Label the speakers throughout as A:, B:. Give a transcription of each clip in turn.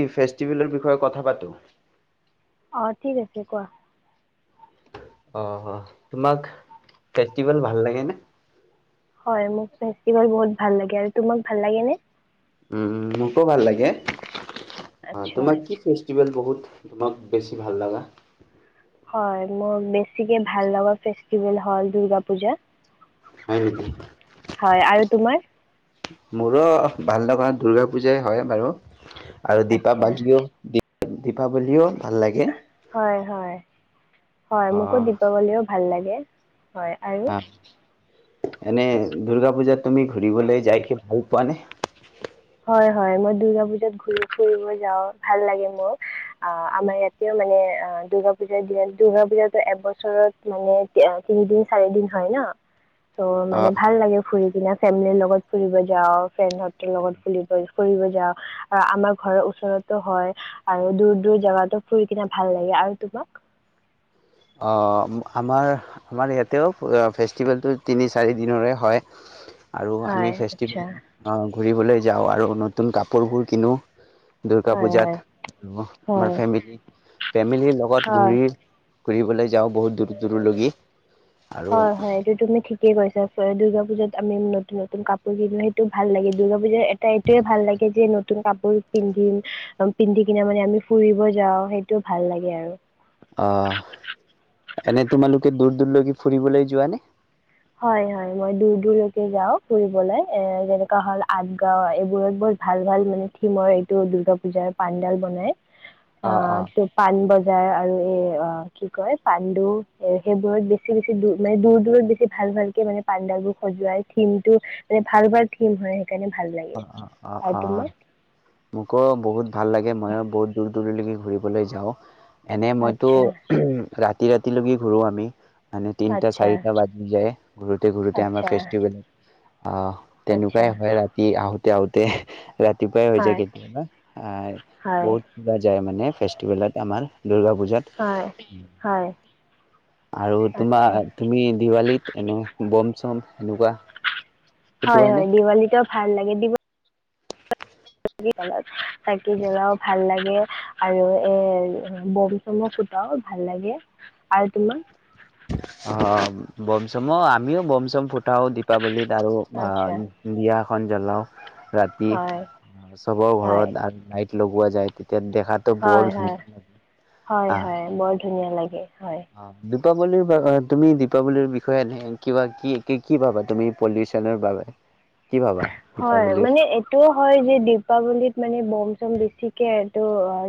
A: ই ফেষ্টিভেলৰ বিষয়ে কথা পাতো
B: অঁ ঠিক আছে কোৱা
A: অ অ তোমাক ফেষ্টিভেল ভাল লাগে নে
B: হয় মোৰ ফেষ্টিভেল বহুত ভাল লাগে আৰু তোমাক ভাল লাগে নে?
A: উম মোকো ভাল লাগে অ
B: আচ্ছা।
A: তোমাৰ কি ফেষ্টিভেল বহুত তোমাক বেছি ভাল লগা
B: হয় মোৰ বেছিকে ভাল লগা ফেষ্টিভেল হ'ল দূৰ্গা পূজা
A: হয় নেকি
B: হয় আৰু তোমাৰ
A: মোৰো ভাল লগা দূৰ্গা পূজাই হয় বাৰু আৰু
B: আচ্ছা।
A: দীপাৱালিও দীপাৱলীও ভাল লাগে
B: হয় হয় হয়
A: অ
B: মোকো দীপাৱলীও ভাল লাগে হ হয় আৰু
A: অ এনে দুৰ্গা পূজাত তুমি ঘূৰিবলৈ যাই কি ভাল পোৱা নে
B: হয় হয় মই দূৰ্গা পুজাত ঘুৰি ফুৰিব যাও ভাল লাগে মোক অ আমাৰ ইয়াতেও মানে দুৰ্গা পুজাৰ দিন দুৰ্গা পুজাতো এবছৰত মানে তিনি দিন চাৰি দিন হয় ন ত'
A: অ
B: মানে ভাল লাগে ফুৰি কিনা ফেমিলিৰ লগত ফুৰিব যাওঁ ফ্ৰেণ্ড সতৰ লগত ফ ফুৰিব যাও আৰু আমাৰ ঘৰৰ ওচৰতো হয় আৰু দূৰ দূৰ জাগাতো ফুৰি কিনে ভাল লাগে আৰু তোমাক
A: আমাৰ আমাৰ ইয়াতেও ফেষ্টিভেলটো তিনি চাৰি দিনৰে হয় আৰু আমি
B: হয়
A: ফেষ্টিভেল
B: আচ্ছা
A: ঘূৰিবলৈ যাওঁ আৰু নতুন কাপোৰবোৰ কিনো দুৰ্গা
B: হয়
A: পূজাত
B: হয়
A: আৰু আমাৰ
B: হয়
A: ফেমিলি ফেমিলিৰ লগত
B: হয়
A: ঘূৰি ফুৰিবলৈ য যাওঁ বহুত দূৰ দূৰলৈকি আৰু
B: কি কৈছে দূৰ্গা পুজাত আমি নতুন নতুন কাপোৰ কিনো সেইটো ভাল লাগে দূৰ্গা পুজাত এটা এইটোৱে ভাল লাগে যে নতুন কাপোৰ পিন্ধিম পিন্ধি কিনে মানে আমি ফুৰিব যাও সেইটো ভাল লাগে আৰু
A: অ এনে তোমালোকে দূৰ দূৰলৈকে ফুৰিবলৈ যোৱা নে
B: হয় হয় মই দূৰ দূৰলৈকে যাওঁ ফুৰিবলৈ এ যেনেকা হ'ল আগ্ৰা এইবোৰত বহুত ভাল ভাল মানে থিমৰ এইটো দুৰ্গা পুজাৰ পেণ্ডেল বনাই অ ত পানবজাৰ আৰু এ অ কি কয় পাণ্ডু এৰ সেইবোৰত বেছি বেছি দ মানে দূৰ দূৰত বেছি ভাল ভালকে মানে পাণ্ডাবোৰ সজুৱাই থিম টো মানে ভাল ভাল থিম হয় সেইকাৰণে ভাল
A: অ
B: লাগে
A: অ অ
B: আৰু
A: অ
B: তোমাক
A: মোকো বহুত ভাল লাগে মইয়ো বহুত দূৰ দূৰলৈকে ফূৰিবলৈ যাওঁ এনে মইতো
B: আচ্ছা
A: ৰাতি ৰাতি ৰাতিলৈকে ঘূৰো আমি মানে তিনিটা
B: আচ্ছা
A: চাৰিটা বাজি যায় ঘূৰোতে ঘূৰোতে আমাৰ
B: আচ্ছা
A: ফেষ্টিভেল অ
B: আচ্ছা
A: তেনেকুৱাই হয় ৰাতি আহোঁতে আহোঁতে ৰাতিপুৱাই হৈ যায়
B: হয়
A: কেতিয়াবা আহ
B: হয়
A: বহুত কিবা যায় মানে ফেষ্টিভেলত আমাৰ পূজাত
B: হয় হয়
A: আৰু
B: আচ্ছা
A: তোমাৰ তুমি দিৱালীত এনে বম চম এনেকুৱা
B: হয়
A: ফুটোৱা নে
B: হয় দিৱলীটো ভাল লাগে দি [unintelligible] চাকি জ্বলাও ভাল লাগে আৰু এৰ বম চমো ফুটাও ভাল লাগে আৰু তোমাৰ
A: অ বম চমো আমিও বম চম ফুট ফুটাও দীপাৱলীত আৰু
B: আচ্ছা
A: [unintelligible] [unintelligible] জ্বলাও ৰাতি
B: হয়
A: চবৰ
B: হয়
A: ঘৰত নাইট লগোৱা যায় তেতি
B: হয় হয় হয়
A: আহ
B: হয় বৰ ধুনীয়া লাগে হয়
A: অ দীপাৱলীৰ তুমি দীপাৱলীৰ বিষয়ে এ কিবা কি কি ভাবা তুমি পলিউচনৰ বাবে কি ভাবা
B: হয়
A: দীপাৱলীৰ
B: মানে এইটোও হয় যে দিপাৱলীত মানে বম চম বেছিকে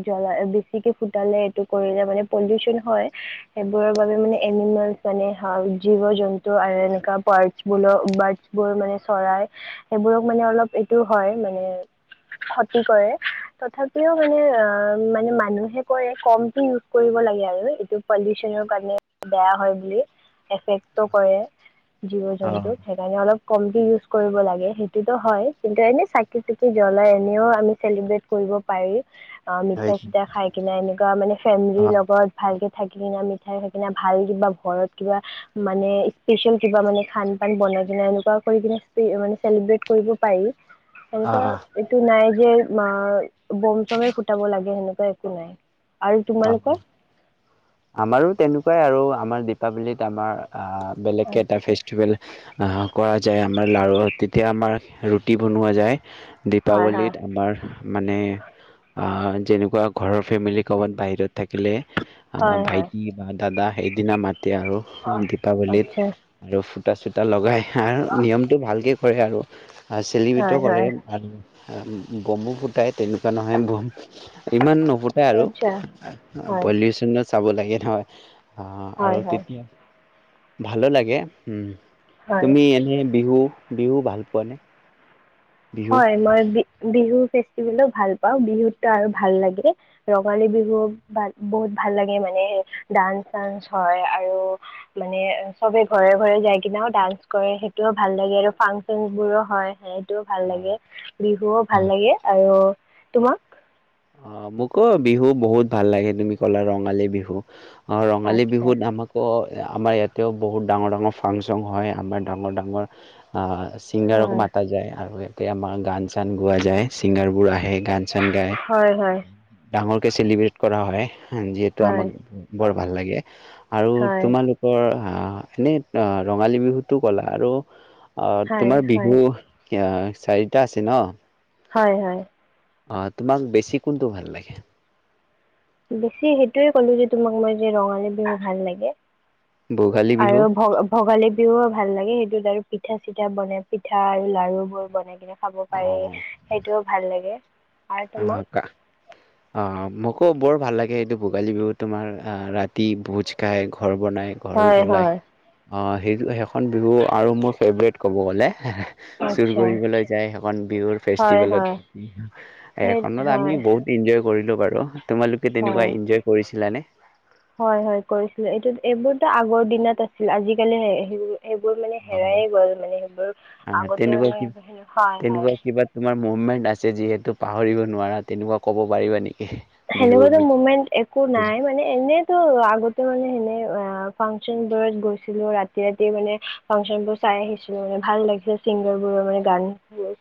B: জলা বেছিকে ফুটালে এইটো কৰিলে মানে পলিউচন হয় সেইবোৰৰ বাবে মানে এনিমেল মানে জীৱ জন্তু আৰু এনেকুৱা বাৰ্ডে বো বাৰ্ডছ বোৰ মানে চৰাই সেইবোৰক মানে অলপ এইটো হয় মানে ক্ষতি কৰে তথাপিও মানে মানে মানুহে কৰে কমটো ইউজ কৰিব লাগে আৰু এইটো পলিউচনৰ কাৰণে বেয়া হয় বুলি এফেক্টো কৰে জীৱ জন্তুক সেইকাৰণে অলপ কমকে ইউজ কৰিব লাগে সেইটোতো হয় কিন্তু এনেও চাকি চাকি জ্বলাই এনেও আমি চেলিব্ৰেট কৰিব পাৰি অ মিঠাই চিঠাই খাই কিনে এনেকুৱা মানে ফেমিলিৰ লগত ভালকে থাকি কিনে মিঠাই থাক কি ভাল কিবা ঘৰত কিবা মানে স্পেচিয়েল কিবা মানে খান পান বনাই কিনে এনেকুৱা কৰি কিনে মানে চেলিব্ৰেট কৰিব পাৰি
A: অ
B: এনেকোৱা এইটো নাই যে ম বম চমে ফুটাব লাগে সেনেকে একো নাই আৰু
A: অ
B: তোমালোকৰ?
A: আমাৰো তেনেকুৱাই আৰু আমাৰ দীপাৱলীত আমাৰ বেলেগকৈ এটা
B: আচ্ছা
A: ফেষ্টিভেল কৰা যায় আমাৰ লাৰুত তেতিয়া আমাৰ ৰুটি বনোৱা যায়
B: হয় হয়
A: দীপাৱলীত আমাৰ মানে আহ যেনেকুৱা ঘৰৰ ফেমিলি ক'ৰবাত বাহিৰত থাকিলে অ
B: হয় হয়
A: ভাইটি দাদা সেইদিনা মাত এতিয়া আৰু দীপাৱলীত
B: আচ্ছা
A: আৰু চূত চুতা লগায় হ নিয়মটো ভালকৈ কৰে আৰু চেলিভিত
B: হয়
A: কৰে
B: হয়
A: আৰু বম ও ফুটাই তেনেকুৱা নহয় ইমান নুফুতাই আৰু
B: আচ্ছা হয়
A: পলিউচনত চাব লাগে নহয় অ আৰু
B: হয় হয়
A: তেতিয়া ভালো লাগে উম।
B: হয়
A: তুমি এনে বিহু বিহু ভাল পোৱা নে?
B: হয় মই বি বিহু বিহু ভাল পাও বিহুতটো আৰু ভাল লাগে ৰঙালী বিহু বহুত ভাল লাগে মানে ডান্স চান্স হয় আৰু মানে চবে ঘৰে ঘৰে যাই কিনেও ডান্স কৰে সেইটোও ভাল লাগে আৰু ফাংচন বোৰো হয় সেইটো ভাল লাগে বিহুও ভাল লাগে আৰু তোমাক
A: অ মোকো বিহু বহুত ভাল লাগে তুমি ক'লা ৰঙালী বিহু ৰঙালী
B: আচ্ছা
A: বিহুত আম আকৌ আমাৰ ইয়াতেও বহুত ডাঙৰ ডাঙৰ ফাংচন হয় আমাৰ ডাঙৰ ডাঙৰ অ ছিংগাৰক
B: হয়
A: মাতা যায় আৰু তেয়ামা গান চান গোৱা যায় ছিংগাৰ বোৰ আহে গান চান গায়
B: হয় হয়
A: ডাঙৰকৈ চেলিব্ৰেট কৰা হয় যিহেতু
B: হয়
A: আমাক বৰ ভাল লাগে আৰু
B: হয়
A: তোমালোকৰ আ, এনেই ৰঙালী বিহুটো কলা আৰু অ,
B: হয়
A: তোমাৰ
B: হয়
A: বিহু, এতিয়া, চাৰিটা আছে ন।
B: হয় হয়।
A: অ, তোমাক বেছি কোনটো ভাল লাগে?
B: বেছি সেইটোয়ে ক'লো যে, তোমাক মই যে, ৰঙালী বিহু ভাল লাগে।
A: ভোগালী বিহু
B: আৰু ভ, ভোগালী বিহুও ভাল লাগে। এই সেইটোত আৰু পিঠা চিঠা বনাই, পিঠা আৰু লাৰু বোৰ বনাই কিনে খাব পাৰি, সেইটোও ভাল লাগে। আৰু
A: অ
B: তোমাক
A: কোৱা, অ মোক অ বৰ ভাল লাগে এইটো ভোগালী বিহুত তোমাৰ ৰাতি ভোজ খাই, ঘৰ বনায়, ঘৰ
B: হয়
A: জ্বলায়।
B: হয়
A: অ সেইটো সেইখন বিহু আৰু মোৰ ফেভৰেট ক'ব গ'লে, হে হে, চুৰ
B: আচ্ছা
A: কৰিবলৈ যায় সেইখন বিহুৰ
B: হয় হয়
A: ফেষ্টিভেলত।
B: সেই
A: এইখনত আমি
B: হয়
A: বহুত ইনজয় কৰিলোঁ বাৰু। তোমালোকে তেনেকুৱা
B: হয়
A: ইনজয় কৰিছিলানে?
B: এইবোৰটো আগৰ দিনত আছিল, আজিকালি হেই সেইবোৰ সেইবোৰ মানে হেৰাইয়ে গ'ল মানে সেইবোৰ,
A: আহ
B: আগতে
A: তেনেকুৱা
B: মানে সেনেকোৱাই হয়।
A: মুমেণ্ট আছে যিহেতু পাহৰিব নোৱাৰা, তেনেকুৱা ক'ব পাৰিবা নেকি? বিহুৰ
B: সেনেকোৱাটো
A: বিষয়ে?
B: মমেন্ট একো নাই, মানে এনেইতো আগতে মানে সেনে অ, ফাংচন বোৰত গৈছিলো, ৰাতি ৰাতি মানে ফাংচন বোৰ চাই আহিছিলো মানে, ভাল লাগিছিল চিংগাৰবোৰৰ মানে গান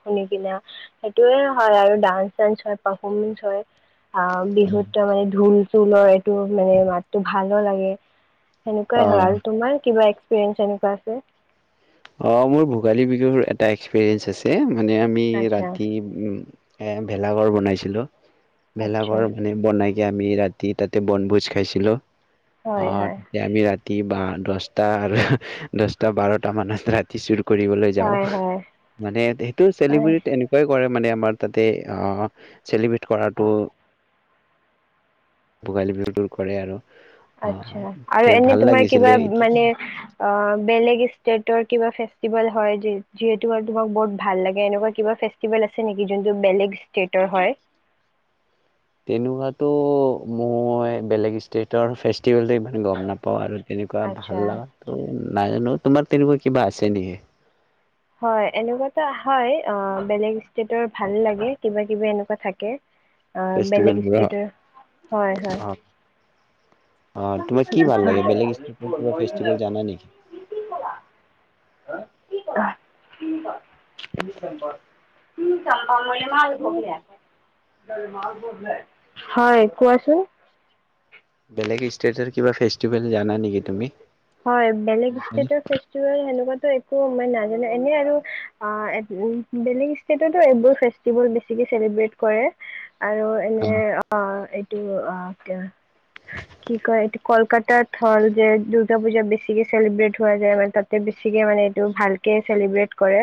B: শুনি কিনে, সেইটোয়ে হয় আৰু ডান্স চানস হয়, পাৰফমেঞ্চ হয়। অ, বিহুত ত মানে ঢোল ঢোলৰ এইটো, মানে মাতটো ভালো লাগে। সেনেকুৱাই হয়। আৰু তোমাৰ কিবা এক্সপিৰিয়েঞ্চ এনেকুৱা আছে?
A: অ মোৰ ভোগালী বিহুৰ এটা এক্সপিৰিয়েঞ্চ আছে। মানে আমি
B: আচ্ছা
A: ৰাতি এ ভেলাঘৰ বনাইছিলোঁ।
B: আচ্ছা
A: ভেলাঘৰ মানে বনাই যে আমি ৰাতি তাতে বনভোজ খাইছিলোঁ। অ,
B: হয় হয়
A: তাতে আমি ৰাতি ভাত দহটা আৰু, দহটা বাৰটা মানুহে ৰাতি চুৰ কৰিবলৈ যাওঁ
B: হয় হয়
A: মানে সেইটো
B: হয়
A: চেলিব্ৰেট এনেকুৱাই কৰে মানে আমাৰ তাতে অ চেলিব্ৰেট কৰাটো ভোগালী বিহু দূৰ কৰে আৰু অ'
B: আাচ্ছা
A: তে
B: আৰু এনে
A: ভাল
B: তোমাৰ কিবা
A: লাগিছিলে এতিয়াতো
B: মানে আ বেলেগ ষ্টেটৰ কিবা ফেষ্টিভেল ফেচটিভেল যিহেতু আৰু তোমাৰ বহুত ভাল লাগে এনেকুৱা কিবা ফেচটিভেল আছে নেকি যোনটো বেলেগ ইচটেতৰ হয়
A: তেনেকুৱাতো মই বেলেগ ষ্টেটৰ ফেচ তেতিয়'লে ইমান গম নাপাওঁ আৰু তেনেকুৱা
B: আচ্ছা
A: ভাল লগাটো নাজানো তোমাৰ তেনেকুৱা কিবা আছে নেকি
B: হয় এনেকুৱাতো হয় অ বেলেগ ষ্টেটৰ ভাল লাগে কিবা কিবি এনেকুৱা থাকে আহ বেলেগ
A: ফেষ্টিভেলবোৰৰ
B: ষ্টেটৰ হয় হয়
A: অ অ তোমাৰ কি ভাল লাগে বেলেগ ষ্টেটৰ কিবা ফেষ্টিভেল জানা নেকি?
B: [inaudible] [unintelligible] হয় কোৱাচোন
A: বেলেগ ষ্টেটৰ কিবা ফেষ্টিভেল জানা নেকি তুমি?
B: হয় বেলেগ ষ্টেটৰ ফেষ্টিভেল হেনেকুৱো একো মই নাজানো এনে আৰু অ বেলেগ ষ্টেটতো এইবোৰ ফেষ্টিভেল বেছিকে চেলিব্ৰেট কৰে আৰু এনে অ এইটো অ কি কয় এইটো কলকাতাত হ'ল যে দূৰ্গা পুজা বেছিকে চেলিব্ৰেট হোৱা যায় মানে তাতে বেছিকে মানে এইটো ভালকে চেলিব্ৰেট কৰে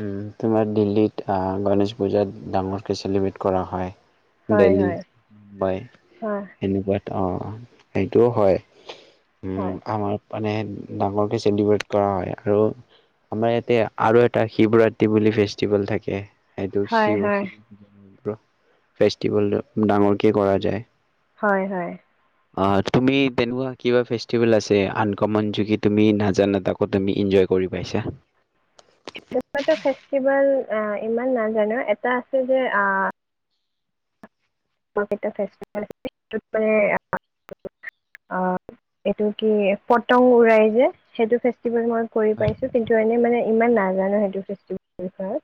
A: উম তোমাৰ দিল্লীত আহ গণেশ পূজাত ডাঙৰকে চেলিব্ৰেট কৰা হয়
B: হয়
A: দেলহী
B: হয়
A: মুম্বাই
B: হয়
A: সেনেকুৱাত অ সেইটোও হয় উম
B: হয়
A: আমাৰ মানে ডাঙৰকে চেলিব্ৰেট কৰা হয় আৰু আমাৰ ইয়াতে আৰু এটা শিৱৰাত্ৰি বুলি ফেষ্টিভেল থাকে
B: হয় হয়
A: সেইটো ফেষ্টিভেল ডাঙৰকে কৰা যায়
B: হয় হয়
A: অ তুমি তেনেকোৱা কিবা ফেষ্টিভেল আছে আনকমন যিটো তুমি নাজানা তাকো তুমি এনজই কৰি পাইছা।
B: তেনেকোৱাটো ফেষ্টিভেল অ ইমান নাজানো এটা আছে যে আ এইটো কি পটং উৰাই যে সেইটো ফেষ্টিভেল মই কৰি পাইছোঁ কিন্তু এনেই মানে ইমান নাজানো সেইটো ফেচটিভেল বিষয়ে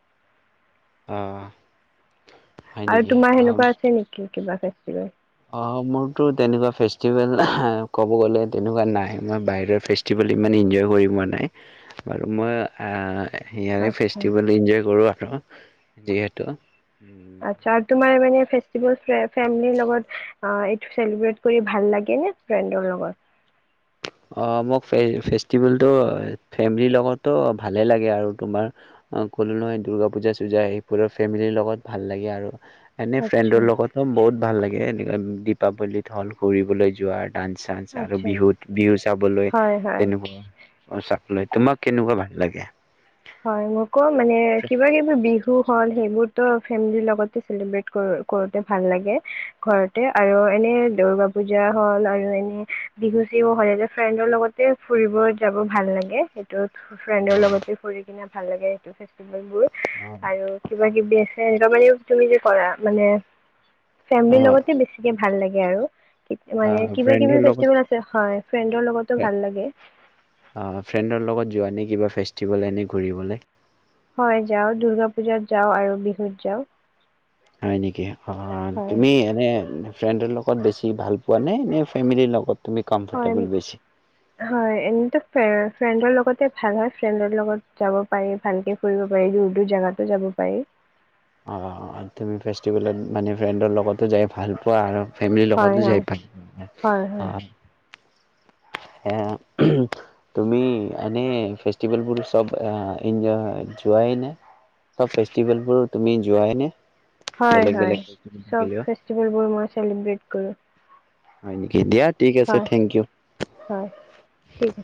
A: আহ
B: আৰু তোমাৰ সেনেকুৱা আছে নেকি কিবা কে একেবায়
A: অ মোৰতো তেনেকুৱা ফেষ্টিভেল ক'ব গ'লে তেনেকুৱা নাই মই বাহিৰৰ ফেষ্টিভেল ইমান এনজয় কৰি পোৱা নাই বাৰু মই আ সেয়াৰে
B: আচ্ছা
A: ফেষ্টিভেল ইঞ্জয় কৰোঁ আৰু যিহেতু
B: আচ্ছা আৰু তোমাৰ মানে ফে ফে লগত এইটো চেলিব্ৰট কৰি ভাল লাগে নে ফ্ৰেডৰ লগত।
A: অ', মোক ফে ফেষ্টিভেলটো ফেমিলিৰ লগতো ভালে লাগে আৰু তোমাৰ ক'লো নহয় দূৰ্গা পূজা চূজা সেইবোৰৰ ফেমিলিৰ লগত ভাল লাগে আৰু। এনে
B: আচ্ছা
A: ফ্ৰেণ্ডৰ লগতো বহুত ভাল লাগে। গে এনেকৈ দীপাৱলীত হ'ল ফুৰিবলৈ যোৱাৰ ডান্স চান্স আৰু
B: আচ্ছা
A: বিহুত বিহু চাবলৈ
B: হয় হয়
A: তেনেকুৱা চাবলৈ, তোমাক কেনেকুৱা ভাল লাগে? এ
B: হয় মোকো মানে কিবা কিবি বিষ বিহু হ'ল সেইবোৰতো ফেমিলিৰ লগতে চেলিব্ৰেট কৰ কৰোঁতে ভাল লাগে ঘৰতে আৰু এনে দূৰ্গা পুজা হল আৰু এনে বিহু চহু হ'ল এ ফ্ৰেণ্ডৰ লগতে ফুৰিব যাব ভাল লাগে সেইটো ফ্ৰেণ্ডৰ লগতে কৰি পিনে ভাল লাগে সেইটো ফেষ্টি বোৰ আৰু কিবা কিবি আ এনেকুৱা মানে তুমি যে কৰা মানে ফেমিলিৰ
A: অ'
B: লগতে বেছিকে ভাল লাগে আৰু। মানে
A: অ'
B: কিবা
A: ফ্ৰেণ্ডৰ
B: কিবি
A: লগত
B: ফেষ্টিভেল আছে, হয়, ফ্ৰেণ্ডৰ লগতো ভাল লাগে।
A: উঠিবলৈ এনেই ঘূৰিবলৈ।
B: হয় যাওঁ দূৰ্গা পূজাত যাওঁ আৰু বিহুত যাওঁ।
A: হয় নেকি অ',
B: হয়
A: তুমি এনে ফ্ৰেণ্ডৰ লগত বেছি ভাল পোৱা নাই নে ফেমিলিৰ লগত? তুমি
B: হয়,
A: কমফৰ্টেবল বেছি
B: হয় এনেটো ফে ফ্ৰেণ্ডৰ লগতে ভাল হয় ফ্ৰেণ্ডৰ লগত যাব পাৰি ভালকে ফুৰিব পাৰি দূৰ দূৰ জাগাতো যাব পাৰি।
A: অ', তুমি ফেষ্টিভেলত মানে ফ্ৰেণ্ডৰ লগতো যাই ভাল পোৱা আৰু ফেমিলৰ
B: হয়
A: লগতো
B: হয়
A: যায় ভাল পোৱা,
B: হয় হয়
A: অ'। তুমি এনে ফেষ্টিভেলবোলৰ চব যোৱাই নে, ফেভেলবোৰ তুমি যোৱাই নে?
B: হয়,
A: বেলেগ
B: হয়
A: বেলেগ
B: চব
A: থাকিলেও
B: ফেষ্টিভেলবোৰ মই চেলিব্ৰেট কৰোঁ।
A: হয় নেকি দিয়াত ঠিক আছে
B: হয়
A: থেংক ইউ।
B: হয় ঠিক আছে